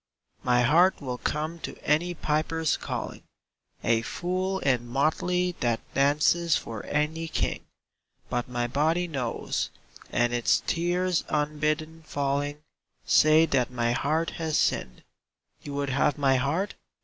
My heart will come to any piper's calling, A fool in motley that dances for any king; But my body knows, and its tears unbidden falling Say that my heart has sinned. You would have my heart?